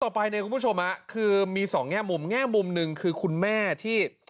ต่อไปคุณผู้ชมคือมี๒แง่มุมแง่มุมหนึ่งคือคุณแม่ที่